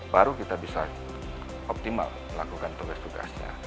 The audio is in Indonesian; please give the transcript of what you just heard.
baru kita bisa optimal melakukan tugas tugasnya